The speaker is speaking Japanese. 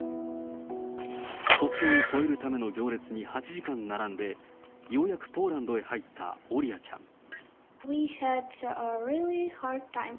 国境を越えるための行列に８時間並んで、ようやくポーランドへ入ったオリアちゃん。